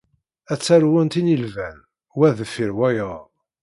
Ad ttarwent inilban, wa deffir wayeḍ.